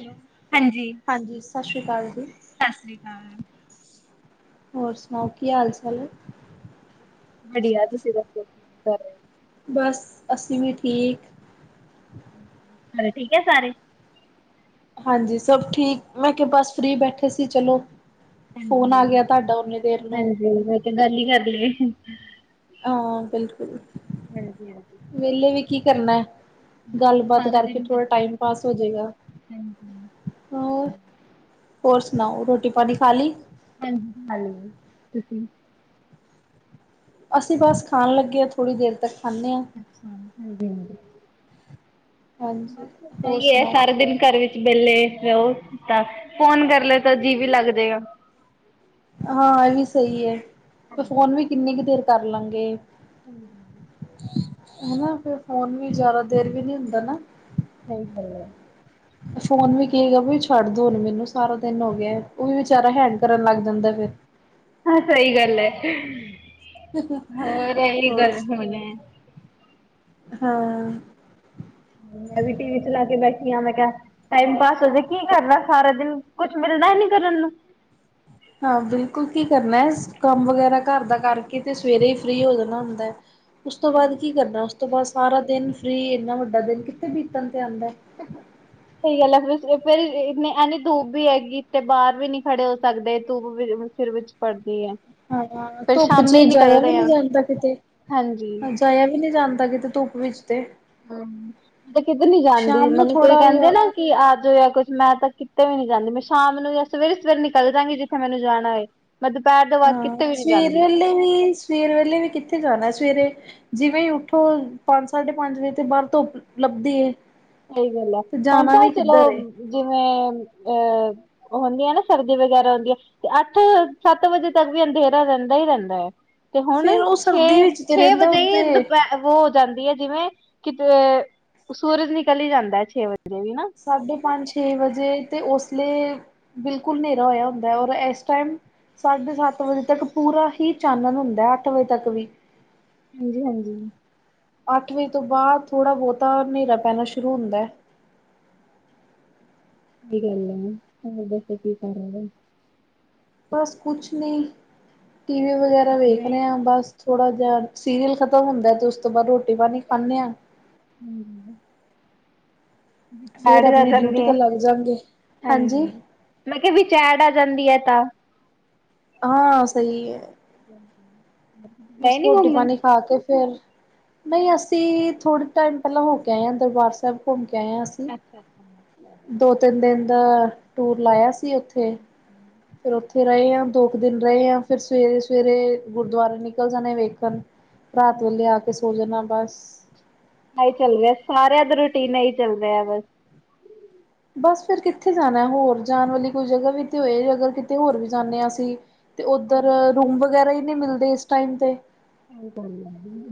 Hello, ਹਾਂਜੀ। ਹਾਂਜੀ, ਸਾਸ੍ਰੀ ਕਾਲ ਜੀ। ਸਾਸ਼ਰੀ ਕਾਲ। ਹੋਰ ਸੁਣਾਓ, ਕੀ ਹਾਲ-ਚਾਲ ਏ। ਵਧੀਆ। ਤੁਸੀਂ ਦੱਸੋ ਕੀ ਕਰ ਰਹੇ ਓ? ਬੱਸ, ਅਸੀਂ ਵੀ ਠੀਕ। ਹਾਂਜੀ' ' [inaudible] ਘਰੇ ਠੀਕ ਏ ਸਾਰੇ? ਹਾਂਜੀ ਸਭ ਠੀਕ, ਮੈਂ ਕਿਹਾ ਬੱਸ ਫ੍ਰੀ ਬੈਠੇ ਸੀ ਚਲੋ। ਫੋਨ ਆ ਗਿਆ ਤੁਹਾਡਾ ਓਨੀ ਦੇਰ ਨੂੰ। ਗੱਲ ਹੀ ਕਰ ਲਈਏ। ਹਾਂ ਬਿਲਕੁਲ, ਵਿਹਲੇ ਵੀ ਕੀ ਕਰਨਾ। ਗੱਲਬਾਤ ਕਰਕੇ ਥੋੜਾ ਟਾਈਮ ਪਾਸ ਹੋਜੇਗਾ, ਹੋਰ। ਹੋਰ ਸੁਣਾਓ। ਰੋਟੀ-ਪਾਣੀ ਖਾ ਲੀ? ਹਾਂਜੀ, ਖਾਲੀ ਜੀ, ਤੁਸੀ? ਅਸੀਂ ਬੱਸ ਖਾਣ ਲੱਗੇ ਆ। ਥੋੜ੍ਹੀ ਦੇਰ ਤੱਕ ਖਾਣੇ ਆ। ਅੱਛਾ, ਹਾਂਜੀ-ਹਾਂਜੀ। ਹਾਂਜੀ ਬੱਸ ਹੋਰ ਸਹੀ ਐ, ਸੁਣਾਓ ਸਾਰਾ ਦਿਨ। ਘਰ ਵਿੱਚ ਵਿਹਲੇ, ਰਹੋ, ਤਾਂ ਫੋਨ ਕਰ ਲਏ ਤਾਂ ਜੀਅ ਵੀ ਲੱਗਦੇ ਆ। ਹਾਂ, ਇਹ ਵੀ ਸਹੀ ਏ, ਤੇ ਫੋਨ ਵੀ ਕਿੰਨੀ ਕ ਦੇਰ ਕਰ ਲਾ ਗੇ। ਹਮ। ਹਨਾ, ਫਿਰ ਫੋਨ ਵੀ ਜ਼ਿਆਦਾ ਦੇਰ ਵੀ ਨੀ ਹੁੰਦਾ ਨਾ। ਸਹੀ ਗੱਲ ਏ। ਫੋਨ ਵੀ ਕਹੇ ਗਾ ਵੀ ਛੱਡ ਦੋ ਹੁਣ ਮੈਨੂੰ। ਸਾਰਾ ਦਿਨ ਹੋ ਗਿਆ, ਉਹ ਵੀ ਹੈਂਗ ਕਰਨ ਲੱਗ ਜਾਂਦਾ ਫਿਰ। ਹਾਂ, ਸਹੀ ਗੱਲ ਐ। ਹੋਰ ' [unintelligible] ' ਹੋਰ ਗੱਲ ਸੁਣਾਓ ਹੁਣ ਏ। ਹਾਂ। ਮੈਂ ਵੀ ਟੀ ਵੀ ਚਲਾ ਕੇ ਬੈਠੀ ਆ ਮੈਂ ਕਿਹਾ। ਟਾਈਮ ਪਾਸ ਹੋ, ਜੇ ਕੀ ਕਰਨਾ ਸਾਰਾ ਦਿਨ ਕੁਛ ਮਿਲਣਾ ਹੀ ਨੀ ਕਰਨ ਨੂੰ। ਹਾਂ, ਬਿਲਕੁਲ ਕੀ ਕਰਨਾ ਏ। ਕੰਮ ਵਗੈਰਾ ਘਰ ਦਾ ਕਰਕੇ ਤੇ ਸਵੇਰੇ ਹੀ ਫ੍ਰੀ ਹੋ ਜਾਣਾ ਹੁੰਦਾ ਏ। ਉਸ ਤੋਂ ਬਾਅਦ ਕੀ ਕਰਨਾ। ਉਸ ਤੋਂ ਬਾਅਦ ਸਾਰਾ ਦਿਨ ਫ੍ਰੀ ਇੰਨਾ ਵੱਡਾ ਦਿਨ ਕਿੱਥੇ ਬੀਤਣ ਤੇ ਆਂਦਾ। ' [unintelligible] ਸਹੀ ਗੱਲ ਏ। ਫਿਰ ਇੰਨੀ ਐਨੀ ਧੂਪ ਵੀ ਹੈਗੀ ਤੇ ਬਾਹਰ ਵੀ ਨੀ ਖੜੇ ਹੋ ਸਕਦੇ ਧੂਪ ਵੀ ਸਿਰ ਵਿੱਚ ਪੜ੍ਹਦੀ ਏ। ਹਾਂ, ਧੁੱਪ ਚ ਜਾਇਆਂ ਦੀ ਏ ਵੀ ਨਹੀਂ ਜਾਂਦਾ ਕਿਤੇ। ਹਾਂਜੀ। ਜਾਇਆ ਵੀ ਨਹੀਂ ਜਾਂਦਾ ਕਿਤੇ ਧੁੱਪ ਵਿੱਚ ਤੇ। ਹਮ ਮਬ ਕਿੱਧਰ ਨੀ ਜਾਂਦੀ ਸ਼ਾਮ ਨੂੰ ਮੈਨੂੰ ਕੋਈ ਕਹਿੰਦੇ ਥੋੜਾ ਨਾ, ਕਿ ਆ ਜਾਇਆ ਕੁਛ ਮੈਂ ਤਾਂ ਕਿਤੇ ਵੀ ਨੀ ਜਾਂਦੀ। ਮੈਂ ਸ਼ਾਮ ਨੂੰ ਜਾਂ ਸਵੇਰੇ-ਸਵੇਰੇ ਨਿਕਲ ਜਾਗੀ ਜਿੱਥੇ ਮੈਨੂੰ ਜਾਣਾ ਹੋਏ। ਮੈਂ ਦੁਪਹਿਰ ਤੋਂ ਬਾਅਦ ਹਾਂ ਕਿਤੇ ਵੀ ਨੀ ਸਵੇਰ ਜਾਂਦੀ। ਵੇਲੇ ਵੀ ਸਵੇਰ ਵੇਲੇ ਵੀ ਕਿੱਥੇ ਜਾਣਾ ਸਵੇਰੇ ਜਿਵੇਂ ਉੱਠੋ ਪੰਜ ਸਾਢੇ ਪੰਜ ਵਜੇ ਤੇ ਬਾਹਰ ਧੁੱਪ ਲੱਭਦੀ ਏ। ਸਹੀ ਗੱਲ ਏ। ਹੁਣ ਜਾਣਾ ਤਾਂ ਵੀ ਚਲੋ ਕਿੱਧਰ ਏ ਜਿਵੇਂ ਅਹ, ਉਹ ਹੁੰਦੀ ਨਾ ਸਰਦੀ ਵਗੈਰਾ ਹੁੰਦੀ ਆ। ਤੇ ਅੱਠ-ਸੱਤ ਵਜੇ ਤੱਕ ਵੀ ਅੰਧੇਰਾ ਰਹਿੰਦਾ ਹੀ ਰਹਿੰਦਾ ਏ। ਤੇ ਹੁਣ ਫੇਰ ਉਹ ਛੇ ਸਰਦੀ ਵਿੱਚ ਤੇ ਛੇ ਰਹਿੰਦਾ ਵਜੇ ਹੀ ਉੱਥੇ ਦੁਪਹਿਰ ਵੋ ਹੋ ਜਾਂਦੀ ਐ ਜਿਵੇਂ ਕਿਤੇ ਸੂਰਜ ਨਿਕਲ ਹੀ ਜਾਂਦਾ ਹੈ ਛੇ ਵਜੇ ਵੀ ਨਾ। ਸਾਡੇ ਪੰਜ-ਛੇ ਵਜੇ ਤੇ ਉਸ ਲਈ ਬਿਲਕੁਲ ਹਨੇਰਾ ਹੋਇਆ ਹੁੰਦਾ ਔਰ ਇਸ ਟਾਈਮ ਸਾਢੇ ਸੱਤ ਵਜੇ ਤੱਕ ਪੂਰਾ ਹੀ ਚਾਨਣ ਹੁੰਦਾ ਅੱਠ ਵਜੇ ਤੱਕ ਵੀ। ਹਾਂਜੀ ਹਾਂਜੀ। ਅੱਠ ਵਜੇ ਤੋਂ ਬਾਅਦ ਥੋੜ੍ਹਾ ਬਹੁਤਾ ਹਨੇਰਾ ਪੈਣਾ ਸ਼ੁਰੂ ਹੁੰਦਾ। ਸਹੀ ਗੱਲ ਏ। ਬਸ ਕੀ ਕਰ ਬਸ ਕੁਛ ਨਹੀਂ ਟੀ ਵੀ ਵਗੈਰਾ ਵੇਖ ਰਹੇ ਹਾਂ ਬਸ। ਥੋੜ੍ਹਾ ਜਿਹਾ ਸੀਰੀਅਲ ਖਤਮ ਹੁੰਦਾ ਤੇ ਉਸ ਤੋਂ ਬਾਅਦ ਰੋਟੀ-ਪਾਣੀ ਖਾਣੇ ਆ। ਹਮ ਫੇਰ ਡੈਡੀ ਆ ਆਪਣੀ ਜਾਂਦੇ ਡਿਊਟੀ ਆ ਤੇ ਲੱਗ ਜਾਗੇ ਹਾਂਜੀ। ਮੈਂ ਕਿਹਾ ਵਿੱਚ ਐੱਡ ਆ ਜਾਂਦੀ ਏ ਤਾਂ ਹਾਂ ਸਹੀ ਏ। [inaudible] ਗਏ ਬਸ ਨੀ ਰੋਟੀ ਘੁੰਮਣ ਪਾਣੀ ਖਾ ਕੇ ਫਿਰ ਨਹੀਂ ਅਸੀਂ ਥੋੜ੍ਹੇ ਟਾਈਮ ਪਹਿਲਾਂ ਹੋ ਕੇ ਆਏ ਆ ਦਰਬਾਰ ਸਾਹਿਬ ਘੁੰਮ ਕੇ ਆਏ ਆ ਅਸੀ। ਅੱਛਾ ਅੱਛਾ। ਤਿੰਨ ਦਿਨ ਦਾ ਟੂਰ ਲਾਇਆਂ ਸੀ ਉੱਥੇ ਫ਼ੇਰ ਉੱਥੇ ਰਹੇ ਆ ਦੋ ਕੁ ਦਿਨ ਰਹੇ ਆ ਫ਼ਿਰ ਸਵੇਰੇ-ਸਵੇਰੇ ਗੁਰਦੁਆਰੇ ਨਿਕਲ਼ ਜਾਣੇ ਆ ਵੇਖਣ। ਰਾਤ ਵੇਲੇ ਆ ਕੇ ਸੋ ਜਾਣੇ ਆ ਬਸ। ਏਹੀ ਚੱਲ ਰਿਹਾ ਸਾਰਿਆਂ ਦੇ ਰੂਟੀਨ ਈ ਚੱਲ ਰਿਹਾ ਬਸ। ਬਸ ਫ਼ੇਰ ਕਿੱਥੇ ਜਾਣਾ ਹੋਰ ਜਾਣ ਵਾਲੀ ਕੋਈ ਜਗ੍ਹਾ ਵੀ ਤੇ ਹੋਏ ਅਗਰ ਕਿਤੇ ਹੋਰ ਵੀ ਜਾਣੇ ਆ ਅਸੀਂ ਤੇ ਉੱਧਰ ਰੂਮ ਵਗੈਰਾ ਈ ਨੀ ਮਿਲਦੇ ਇਸ ਟਾਈਮ ਤੇ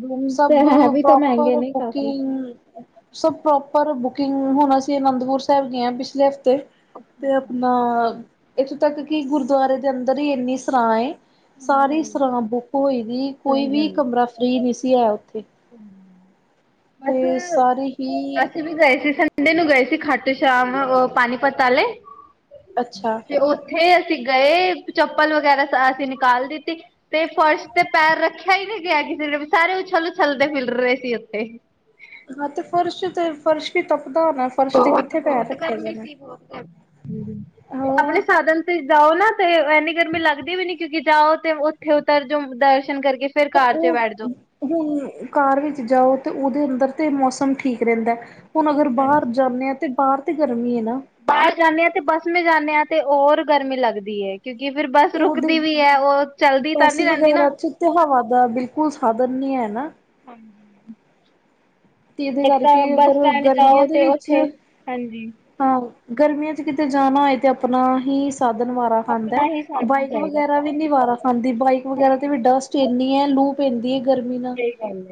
ਰੂਮ ਤੇ ਸਭ ਹੈ ਵੀ ਤਾਂ ਮਹਿੰਗੇ ਪ੍ਰੋਪਰ ਨੇ ਕਾਫੀ ਬੁਕਿੰਗ ਸਭ ਪ੍ਰੋਪਰ ਬੁਕਿੰਗ ਹੁਣ ਅਸੀਂ ਅਨੰਦਪੁਰ ਸਾਹਿਬ ਗਏ ਆ ਪਿਛਲੇ ਹਫ਼ਤੇ ਤੇ ਆਪਣਾ ਇੱਥੋਂ ਤੱਕ ਕਿ ਗੁਰਦੁਆਰੇ ਦੇ ਅੰਦਰ ਈ ਇੰਨੀ ਸਰਾਂ ਏ ਸਾਰੀ ਸਰਾਂ ਬੁੱਕ ਹੋਈ ਦੀ ਕੋਈ ਵੀ ਕਮਰਾ ਫ੍ਰਰੀ ਨੀ ਸੀ ਹੈ ਉੱਥੇ। ਅੇਸ ਤੇ ਸਾਰੇ ਹੀ ਅਸੀਂ ਵੀ ਗਏ ਸੀ ਸੰਡੇ ਨੂੰ ਗਏ ਸੀ ਖਾਟੂ ਸ਼ਾਮ ਪਾਣੀਪਤ ਆਲੇ। ਅੱਛਾ ਤੇ ਉੱਥੇ ਅਸੀ ਗਏ ਚੱਪਲ ਵਗੈਰਾ ਅਸ ਅਸੀਂ ਨੀਕਾਲ ਦਿੱਤੀ। ਤੇ ਫਰਸ਼ ਤੇ ਪੈਰ ਰੱਖਿਆਂ ਈ ਨੀ ਗਿਆ ਕਿਸੇ ਸਾਰੇ ਉਛਲ ਉਛਲਦੇ ਫ਼ਿਰ ਰਹੇ ਸੀ ਉੱਥੇ। ਹਾਂ ਤੇ ਫਰਸ਼ ਤੇ ਫਰਸ਼ ਵੀ ਤਪਦਾ ਹੋਣਾ। ਫਰਸ਼ ਤੇ ਬਹੁਤ ਕਿੱਥੇ ਪੈਰ ਬਹੁਤ ਰੱਖਿਆ ਗਰਮੀ ਜਾਣਾ ਸੀ ਬਹੁਤ ਗਰਮੀ ਤੇ ਹਾਂ ਆਪਣੇ ਸਾਧਨ ਜਾਓ ਨਾ ਤੇ ਇੰਨੀ ਗਰਮੀ ਲੱਗਦੀ ਵੀ ਨੀ ਕਿਉਂਕਿ ਜਾਓ ਤੇ ਉੱਥੇ ਉੱਤਰ ਜੋ ਦਰਸ਼ਨ ਕਰਕੇ ਫੇਰ ਤਾਂ ਕਾਰ ਓ ਚ ਬੈਠ ਜਾਓ। ਉਹ ਹੁਣ ਕਾਰ ਵਿੱਚ ਜਾਓ ਤੇ ਉਹਦੇ ਅੰਦਰ ਤੇ ਮੌਸਮ ਠੀਕ ਰਹਿੰਦਾ ਹੁਣ ਅਗਰ ਬਾਹਰ ਹਾਂਜੀ। ਜਾਣੇ ਆ ਤਾਂ ਬਾਹਰ ਤੇ ਗਰਮੀ ਹੈ ਨਾ ਬਾਹਰ ਜਾਣੇ ਆ ਤੇ ਬੱਸ ਮੇ ਜਾਣੇ ਹਾਂ ਤੇ ਔਰ ਗਰਮੀ ਲੱਗਦੀ ਏ ਕਿਉਂਕਿ ਫਿਰ ਬੱਸ ਉਹਦੇ ਰੁਕਦੀ ਉਹ ਚਲਦੀ ਤਾਂ ਨੀ ਰਹਿੰਦੀ ਨਾ ਕੋਲ਼ ਸਾਧਨ ਨੀ ਹੈ ਨਾ ਹਾਂਜੀ ਤੇ ਇਹਦੇ ਤਾਂ ਕਰਕੇ ਬੱਸ ਅਗਰ ਸਟੈਂਡ ਗਰਮੀਆਂ ਜਾਓ ਦੇ ਤੇ ਵਿੱਚ ਉੱਥੇ ਹਾਂਜੀ। ਹਾਂ ਗਰਮੀਆਂ ਚ ਕਿਤੇ ਜਾਣਾ ਹੋਏ ਤੇ ਆਪਣਾ ਹੀ ਸਾਧਨ ਵਾਰਾ ਖਾਂਦਾ ਆਪਣਾ ਹੀ ਸਾਧਨ ਬਾਈਕ ਚਾਹੀਦਾ ਵਗੈਰਾ ਵੀ ਨੀ ਵਾਰਾ ਖਾਂਦੀ ਬਾਈਕ ਵਗੈਰਾ ਤੇ ਵੀ ਡਸਟ ਇੰਨੀ ਏ ਲੂ ਪੈਂਦੀ ਏ ਗਰਮੀ ਨਾਲ਼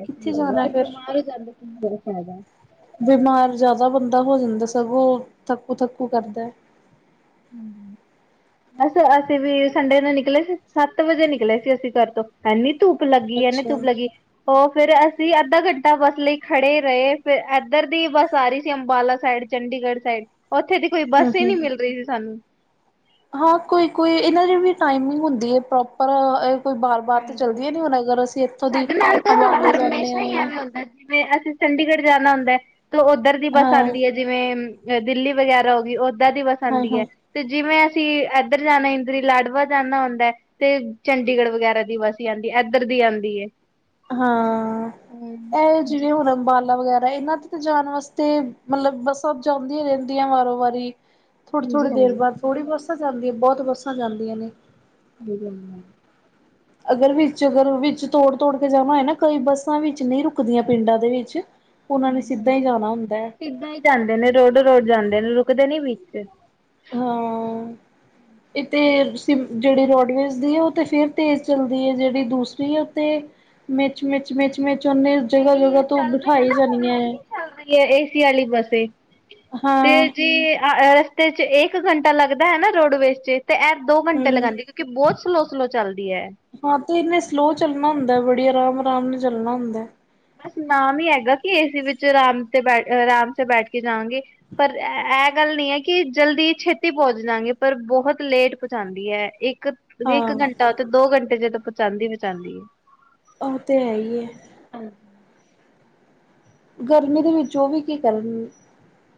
ਕਿੱਥੇ ਜਾਣਾ ਫ਼ਿਰ ਜਾਂਦਾ ਕੀ ਬੜਾ ਫ਼ਾਇਦਾ ਬਿਮਾਰ ਜ਼ਿਆਦਾ ਬੰਦਾ ਹੋ ਜਾਂਦਾ ਸਗੋਂ ਥੱਕੂ ਥੱਕੂ ਕਰਦਾ ਹੂੰ ਐਸ ਅਸੀਂ ਵੀ ਸੰਡੇ ਨੂੰ ਨਿਕਲ਼ੇ ਸੀ ਸੱਤ ਵਜੇ ਨਿਕਲ਼ੇ ਸੀ ਅਸੀਂ ਘਰ ਤੋਂ ਐਂਨੀ ਧੁੱਪ ਲੱਗੀ ਐਂਨੀ ਅੱਛਾ। ਧੁੱਪ ਲੱਗੀ ਫਿਰ ਅਸੀਂ ਅੱਧਾ ਘੰਟਾ ਬੱਸ ਲਈ ਖੜੇ ਰਹੇ ਫਿਰ ਏਧਰ ਦੀ ਬੱਸ ਆ ਰਹੀ ਸੀ ਅੰਬਾਲਾ ਸਾਈਡ ਚੰਡੀਗੜ੍ਹ ਸਾਈਡ ਉੱਥੇ ਦੀ ਕੋਈ ਹੂੰ ਬੱਸ ਹੀ ਹੂੰ ਨੀ ਹੂੰ। ਮਿਲ ਰਹੀ ਸੀ ਸਾਨੂੰ ਹਾਂ ਕੋਈ ਕੋਈ ਇਹਨਾਂ ਦੀ ਵੀ ਟਾਈਮਿੰਗ ਹੁੰਦੀ ਏ ਪ੍ਰੋਪਰ ਕੋਈ ਬਾਰ ਬਾਰ ਤਾਂ ਚੱਲਦੀਆਂ ਨੀ ਹੁਣ ਅਗਰ ਅਸੀਂ ਇੱਥੋਂ ਦੀ ਸਾਡੇ ਨਾਲ ਤਾਂ ਹਮਾਲੇ ਜਾਨੇ ਹਮੇਸ਼ਾ ਆ ਹੀ ਐਵੇਂ ਹੁੰਦਾ ਜਿਵੇਂ ਅਸੀਂ ਚੰਡੀਗੜ੍ਹ ਜਾਣਾ ਹੁੰਦਾ ਤੇ ਉੱਧਰ ਦੀ ਬੱਸ ਹਾਂ ਆਂਦੀ ਏ ਜਿਵੇਂ ਦਿੱਲੀ ਵਗੈਰਾ ਹੋ ਗਈ ਓਦਾਂ ਦੀ ਬਸ ਹਾਂ ਆਂਦੀ ਏ ਹਾਂ ਤੇ ਜਿਵੇ ਅਸੀਂ ਇੱਧਰ ਜਾਣਾ ਇੰਦ ਲਾਡਵਾ ਜਾਣਾ ਹੁੰਦਾ ਹੈ ਚੰਡੀਗੜ੍ਹ ਵਗੈਰਾ ਦੀ ਬਸ ਜਾਂਦੀ ਹੈ ਇੱਧਰ ਦੀ ਆਦੀ ਏ। ਹਾਂ ਇਹ ਜਿਵੇਂ ਹੁਣ ਅੰਬਾਲਾ ਵਗੈਰਾ ਇਹਨਾਂ ਜਾਣ ਵਾਸਤੇ ਮਤਲਬ ਬੱਸਾਂ ਜਾਂਦੀਆਂ ਰਹਿੰਦੀਆਂ ਵਾਰੋਂ- ਵਾਰੀ ਥੋੜੀ-ਥੋੜੀ ਦੇਰ ਬਾਅਦ ਥੋੜ੍ਹੀ ਬੱਸਾਂ ਜਾਂਦੀਆਂ ਬਹੁਤ ਬੱਸਾਂ ਜਾਂਦੀਆਂ ਨੇ। ਹਮ। [unintelligible] ਅਗਰ ਵਿੱਚ ਅਗਰ ਵਿੱਚ ਤੋੜ-ਤੋੜ ਕੇ ਜਾਣਾ ਹੋਏ ਨਾ ਕਈ ਬੱਸਾਂ ਵਿੱਚ ਨਹੀਂ ਰੁਕਦੀਆਂ ਪਿੰਡਾਂ ਦੇ ਵਿੱਚ ਉਹਨਾਂ ਨੇ ਸਿੱਧਾ ਹੀ ਜਾਣਾ ਹੁੰਦਾ ਏ। ਸਿੱਧਾ ਹੀ ਜਾਂਦੇ ਨੇ ਰੋਡ ਜਾਂਦੇ ਨੇ ਨੀ ਵਿੱਚ ਹਾਂ। ਹੂੰ ਇਤੇ ਸ ਜਿਹੜੀ ਰੋਡਵੇਜ਼ ਦੀ ਹੈ ਉਹ ਤਾਂ ਫਿਰ ਤੇਜ਼ ਚੱਲਦੀ ਹੈ। ਜਿਹੜੀ ਦੂਸਰੀ ਹੈ ਉਤੇ ਮ ਜਿਹੜੀ ਇਹ ਤੋਂ ਚੱਲ ਰਹੀ ਹੈ ਬਿਠਾਈ ਨਾ ਹੁਣ ਜਾਣੀਆਂ ਹੈ ਓਨੀ ਚੱਲ ਰਹੀ ਹੈ ਏਸੀ ਆਲੀ ਬੱਸੇ ਤੇ ਹਾਂ ਜੇ ਅ ਰਸਤੇ ਚ ਇੱਕ ਘੰਟਾ ਲੱਗਦਾ ਹੈ ਨਾ ਰੋਡਵੇਜ਼ ਚ ਤੇ ਐ ਦੋ ਘੰਟੇ ਹਮ ਲਗਾਉਂਦੀ ਕਿਉਂਕਿ ਬਹੁਤ ਸਲੋਅ ਸਲੋਅ ਚੱਲਦੀ ਏ। ਹਾਂ ਤੇ ਇੰਨੇ ਸਲੋਅ ਚੱਲਣਾ ਹੁੰਦਾ ਬੜੀ ਆਰਾਮ-ਆਰਾਮ ਨਾਲ ਚੱਲਣਾ ਹੁੰਦਾ। ਬਸ ਨਾਮ ਹੀ ਹੈਗਾ ਕਿ ਏ ਸੀ ਵਿੱਚ ਆਰਾਮ ਤੇ ਬੈਠ ਆਰਾਮ ਤੇ ਬੈਠ ਕੇ ਜਾਵਾਗੇ। ਪਰ ਇਹ ਗੱਲ ਨਹੀਂ ਹੈ ਕਿ ਜਲਦੀ ਛੇਤੀ ਪਹੁੰਚ ਜਾਗੇ ਪਰ ਬਹੁਤ ਲੇਟ ਪਹੁੰਚਾਉਂਦੀ ਹੈ ਇੱਕ ਇੱਕ ਹਾਂ ਘੰਟਾ ਤੇ ਦੋ ਘੰਟੇ ਜਦੋਂ ਪਚਾਂਦੀ-ਪਚਾਉਂਦੀ ਐ। ਉਹ ਤੇ ਹੈ। ਹਾਂ। ਗਰਮੀ ਦੇ ਵਿੱਚ, ਉਹ ਵੀ ਕੀ ਕਰਨ?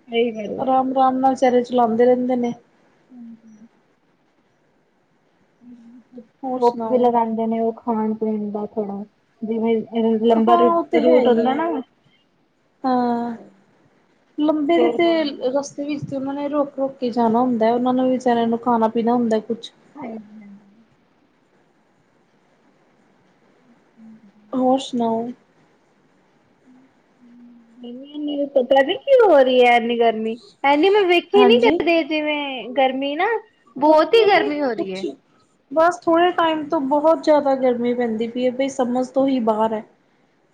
ਸਹੀ ਗੱਲ ਹੈ। ਆਰਾਮ। ਆਰਾਮ ਨਾਲ ਚਿਹਰੇ ਚਲਾਉਂਦੇ ਰਹਿੰਦੇ ਨੇ। [unintelligible] ਹੋਰ ਚੁੱਪ ਵੀ ਸੁਣਾਓ ਲਗਾਉਂਦੇ ਨੇ ਉਹ ਖਾਣ ਪੀਣ ਦਾ ਥੋੜਾ। ਜਿਵੇਂ, ਜਿਵੇਂ ਲੰਬਾ ਹਾਂ ਰੂਟ, ਉਹ ਤੇ ਹੈ ਰੂਟ ਹੀ ਹੁੰਦਾ ਹੈ ਨਾ ਹਾਂ, ਲੰਬੇ ਦੀ ਤੇ, ਰਸਤੇ ਵਿੱਚ ਤੇ ਉਹਨਾਂ ਨੇ ਰੋਕ-ਰੋਕ ਕੇ ਜਾਣਾ ਹੁੰਦਾ ਉਹਨਾਂ ਨੂੰ ਵਿਚਚਾਰਿਆਂ ਨੂੰ ਖਾਣਾ-ਪੀਣਾ ਹੁੰਦਾ ਕੁਛ। ਹਾਂਜੀ। ਹਮ। ਹੋਰ ਸੁਣਾਓ? [unintelligible] ਪਤਾ ਨੀ ਕੀ ਹੋ ਰਹੀ ਹੈ। ਐਨੀ ਗਰਮੀ ਐਨੀ ਮੈਂ ਵੇਖ ਖ ਨੀ ਹਾਂਜੀ ਕਰਦੇ ਜਿਵੇਂ, ਗਰਮੀ ਨਾ ਬਹੁਤ ਹੀ ਗਰਮੀ ਹੋ ਰਹੀ ਹੈ। ਬੱਸ ਥੋੜੇ ਟਾਈਮ ਤੋਂ ਬਹੁਤ ਜ਼ਿਆਦਾ ਗਰਮੀ ਪੈਂਦੀ ਪਈ ਹੈ ਬ ਸਮਝ ਤੋਂ ਹੀ ਬਾਹਰ ਏ।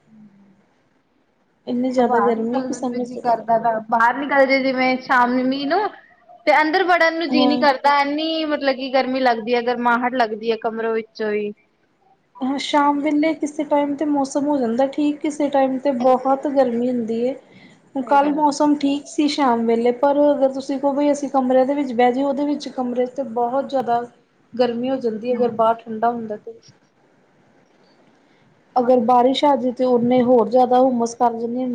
ਹਮ। ਇੰਨੀ ਜ਼ਿਆਦਾ ਬਾਹਰ ਗਰਮੀ ਨਿਕਲ ਕਿ ਨੂੰ ਜੀ ਸਮਝ ਨਹੀਂ ਤੋਂ ਬਾਹਰ ਹੈ। ਕਰਦਾ ਗਾ। ਬਾਹਰ ਨਿਕਲ ਜ ਜਿਵੇਂ ਸ਼ਾਮ ਨੂੰ ਨੀਂਦ, ਤੇ ਅੰਦਰ ਵੜਨ ਨੂੰ ਜੀਅ ਨਹੀਂ ਹਾਂ ਕਰ ਤਾਂ ਇੰਨੀ ਮਤਲਬ ਕਿ ਗਰਮੀ ਲੱਗਦੀ ਹੈ। ਗਰਮਾਹਟ ਲੱਗਦੀ ਹੈ ਕਮਰੋ ਵਿੱਚੋਂ ਹੀ ਹਾਂ ਸ਼ਾਮ ਵੇਲੇ ਕਿਸੇ ਟਾਈਮ 'ਤੇ ਮੌਸਮ ਹੋ ਜਾਂਦਾ ਠੀਕ ਕਿਸੇ ਟਾਈਮ ਅਤੇ ਬਹੁਤ ਗਰਮੀ ਹੁੰਦੀ ਹੈ। ਕੱਲ੍ਹ ਗੱਲ ਹੈ। ਮੌਸਮ ਠੀਕ ਸੀ ਸ਼ਾਮ ਵੇਲੇ ਪਰ ਅਗਰ ਤੁਸੀਂ ਕਹੋ ਬਈ ਅਸੀਂ ਕਮਰੇ ਦੇ ਵਿੱਚ ਬਹਿ ਜ ਉਹਦੇ ਵਿੱਚ ਕਮਰੇ ਤੇ ਬਹੁਤ ਜ਼ਿਆਦਾ ਗਰਮੀ ਹੋ ਜਾਂਦੀ ਹੈ ਅਗਰ ਬਾਹਰ ਠੰਡਾ ਹੁੰਦਾ ਤੇ। ਅਗਰ ਬਾਰਿਸ਼ ਆ ਜੇ ਤੇ ਉਹਨੇ ਹੋਰ ਜ਼ਿਆਦਾ ਹੂਮਸ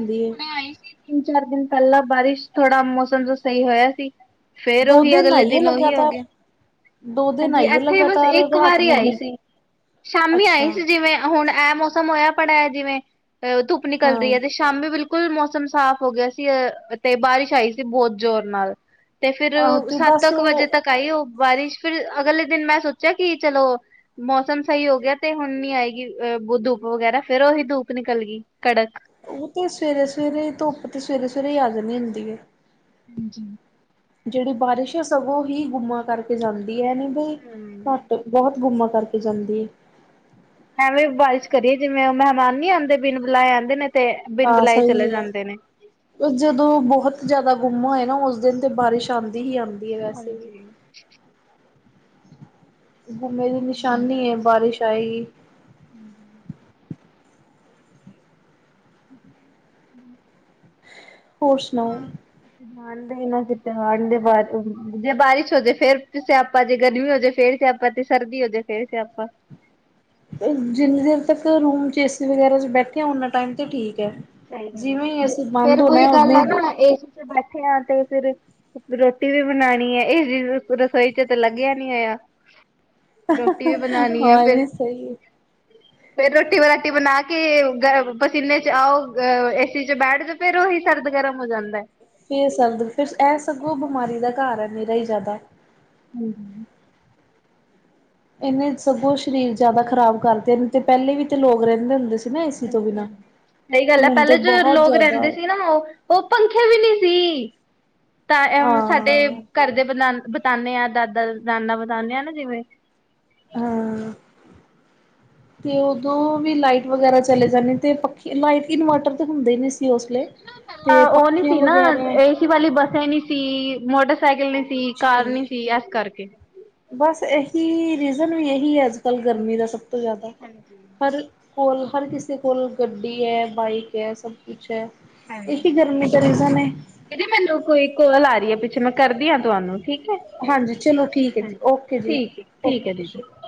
ਬੱਸ ਹੁਣੇ ਆਈ ਸੀ। ਤਿੰਨ, ਚਾਰ ਦਿਨ ਪਹਿਲਾਂ ਬਾਰਿਸ਼ ਥੋੜਾ ਜਿਹਾ ਮੌਸਮ ਚ ਸਹੀ ਹੋਇਆ ਸੀ। ਫੇਰ ਦੋ ਉਹੀ ਅਗਲੇ ਆਈਏ ਦਿਨ ਉਹੀ ਆ ਲਗਾਤਾਰ ਗਿਆ। ਦੋ ਦਿਨ ਹਾਂਜੀ ਆਈਏ ਇੱਥੇ ਬੱਸ ਲਗਾਤਾਰ ਇੱਕ ਰਾਤ ਵਾਰੀ ਨੂੰ ਆਈ ਹੀ ਸੀ। ਸ਼ਾਮੀ ਆਈ ਅੱਛਾ ਸੀ ਜਿਵੇਂ ਹੁਣ ਇਹ ਮੌਸਮ ਹੋਇਆ ਭੜਾ ਇਹ ਜਿਵੇਂ, ਅਹ ਧੁੱਪ ਹਾਂ ਨਿਕਲਦੀ ਹੈ ਤੇ ਸ਼ਾਮੀ ਬਿਲਕੁਲ ਬਿਲਕੁਲ ਮੌਸਮ ਸਾਫ਼ ਹੋ ਗਿਆ ਸੀ, ਅ ਤੇ ਬਾਰਿਸ਼ ਆਈ ਸੀ ਬਹੁਤ ਜ਼ੋਰ ਨਾਲ। ਤੇ ਫੇਰ ਆਹ ਤੇ ਸੱਤ ਬਸ ਅ ਕੁ ਵਜੇ ਉਹ ਤੱਕ ਆਈ ਉਹ ਬਾਰਿਸ਼ ਫਿਰ ਅਗਲੇ ਦਿਨ ਮੈਂ ਸੋਚਿਆ ਕਿ ਚਲੋ। ਮੌਸਮ ਸਹੀ ਹੋ ਗਿਆ, ਤੇ ਹੁਣ ਨੀ ਆਏਗੀ ਅਹ ਧੁੱਪ ਵਗੈਰਾ ਫੇਰ ਉਹੀ ਧੂਪ ਨਿਕਲ ਗਈ। ਕੜਕ। ਉਹ ਤੇ ਸਵੇਰੇ-ਸਵੇਰੇ ਧੁੱਪ ਤੇ ਸਵੇਰੇ-ਸਵੇਰੇ ਆ ਜਾਂਦੀ ਹੁੰਦੀ ਐ। ਹਾਂਜੀ। ਜਿਹੜੀ ਬਾਰਿਸ਼ ਆ ਸਗੋਂ ਹੀ ਗੁੰਮਾ ਜਾਂਦੀ ਐ ਨਹੀਂ ਹਮ ਤੇ ਬਹੁਤ ਗੁੰਮਾਂ ਕਰਕੇ ਜਾਂਦੀ ਏ। ਐਵੇਂ ਬਾਰਿਸ਼ ਕਰੀਏ ਜਿਵੇਂ ਮਹਿਮਾਨ ਨੀ ਆਦੇ ਬਿਨ ਬੁਲਾਏ ਆਦੇ। ਆ ਸਹੀ ਏ। ਜਦੋਂ ਬਹੁਤ ਜ਼ਿਆਦਾ ਗੁੰਮ ਹੋਆ ਨਾ ਉਸ ਦਿਨ ਤੇ ਬਾਰਿਸ਼ ਆਉਂਦੀ ਹੀ ਆਉਂਦੀ ਐ ਵੈਸੇ ਵੀ। [inaudible] ਗੁੰਮੇ ਦੀ ਨਿਸ਼ਾਨੀ ਐ ਬਾਰਿਸ਼ ਆਏਗੀ। [inaudible] [inaudible] ਹੋਰ ਸੁਣਾਓ? ਹਾਂ, ਬਾਹਰ। [unintelligible] ਤੇ ਦੇ ਜੇ ਬਾਰਿਸ਼ ਹੋ ਜੇ ਤੇ ਫੇਰ ਸਿਆਪਾ ਜੇ ਗਰਮੀ ਹੋ ਜੇ ਫੇਰ ਸਿਆਪਾ। ਸਰਦੀ ਹੋਜੇ ਫੇਰ ਸਿਆਪਾ। ਜਿੰਨੀ ਦੇਰ ਤੱਕ ਰੂਮ ਚ ਏਸੀ ਵਗੈਰਾ 'ਚ ਬੈਠੇ ਆ ਉੱਨਾ ਟਾਇਮ ਤੇ ਠੀਕ ਏ। ਸਹੀ ਗੱਲ ਏ ਜੇ ਫੇਰ ਉਹੀ ਗੱਲ ਆ ਨਾ ਏ ਸੀ 'ਚ' ਬੈਠਿਆ ਆ ਤੇ ਫਿਰ ਰੋਟੀ ਵੀ ਬਣਾਣੀ ਏ, ਏ ਸੀ ਰਸੋਈ ਚ ਤਾਂ ਲੱਗਿਆ ਨੀ ਹੋਇਆ। ਰੋਟੀ ਵੀ ਬਣਾਣੀ ਐ ਹਾਂ ਇਹ ਫਿਰ ਵੀ ਸਹੀ ਹੈ। ਫੇਰ ਰੋਟੀ ਵਰਾਟੀ ਬਣਾ ਕੇ ਪਸੀਨੇ ਚ ਆਓ ਅ ਏਸੀ ਚ ਬੈਠ ਤੇ ਫਿਰ ਉਹੀ ਸਰਦ-ਗਰਮ ਹੋ ਜਾਂਦਾ। ਫੇਰ ਸਰਦੀ ਫਿਰ ਇਹ ਸਗੋਂ ਬਿਮਾਰੀ ਦਾ ਘਰ ਏ ਨਿਰਾ ਈ ਜ਼ਿਆਦਾ ਹਮ। ਇਹਨੇ ਸਗੋਂ ਸਰੀਰ ਜ਼ਿਆਦਾ ਖ਼ਰਾਬ ਕਰਦੇ ਨੇ ਤੇ ਪਹਿਲੇ ਵੀ ਤੇ ਲੋਕ ਰਹਿੰਦੇ ਹੁੰਦੇ ਸੀ। ਨਾ ਏਸੀ ਤੋਂ ਬਿਨਾਂ। ਹਾਂਜੀ-ਹਾਂਜੀ, ਸਹੀ ਗੱਲ ਏ ਹੁਣ ਤੇ ਪਹਿਲੇ ਜੋ ਬਹੁਤ ਲੋਕ ਜ਼ਿਆਦਾ ਰਹਿੰਦੇ ਸੀ ਨਾ ਉਹ ਉਹ ਪੰਖੇ ਵੀ ਨੀ ਸੀ ਤਾਂ ਇਹ ਸਾਡੇ ਹਾਂ ਘਰਦੇ ਬਤਾਦੇ ਆ ਦਾਦਾ, ਨਾਨਾ ਬਤਾਦੇ ਆ ਨਾ ਜਿਵੇਂ ਹਾਂ [inaudible] ਤੇ ਉਦੋਂ ਵੀ ਲਾਈਟ ਵਗੈਰਾ ਚਲੇ ਜਾਂਨੇ ਤੇ ਪੱਖੇ ਲਾਈਟ ਇਨਵਰਟਰ ਤੇ ਹੁੰਦੇ ਨੀ ਸੀ। ਉਸ ਵੇਲੇ ਤੇ ਉਹ ਨੀ ਪੱਖੀਆਂ ਸੀ ਨਾ ਵਗੈਰਾ ਇਹ ਵਾਲੀ ਬੱਸ ਹੈਨੀ ਨੀ ਸੀ, ਮੋਟਰਸਾਈਕਲ ਨੀ ਸੀ, ਕੁਛ ਵੀ ਕਾਰ ਨੀ ਨਹੀਂ। ਸੀ, ਇਸ ਕਰਕੇ ਬਸ ਇਹੀ ਰੀਜ਼ਨ ਵੀ ਇਹੀ ਐ ਅੱਜ-ਕੱਲ੍ਹ ਗਰਮੀ ਦਾ ਸਭ ਤੋਂ ਜ਼ਿਆਦਾ ਪਰ ਕੋਲ ਹਰ ਕਿਸੇ ਕੋਲ ਗੱਡੀ ਐ, ਬਾਈਕ ਐ, ਸਭ ਅੱਛਾ, ਇਹੀ ਗਰਮੀ ਦਾ ਰਿਜਨ ਏ। ਕਹਿੰਦੀ ਮੈਨੂੰ ਕੋਈ ਕਾਲ ਆ ਰਹੀ ਏ ਪਿੱਛੇ ਮੈਂ ਕਰਦੀ ਹਾਂ ਤੁਹਾਨੂੰ ਠੀਕ ਐ। ਹਾਂਜੀ, ਚਲੋ ਠੀਕ ਐ ਜੀ, ਓਕੇ ਜੀ ਹੈ ਓਕੇ, ਠੀਕ ਹੈ ਸਤਿ ਦੀਦੀ ਸ਼੍ਰੀ ਅ